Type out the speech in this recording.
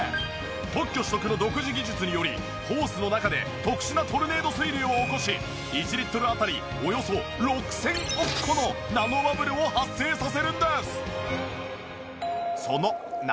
特許取得の独自技術によりホースの中で特殊なトルネード水流を起こし１リットルあたりおよそ６０００億個のナノバブルを発生させるんです！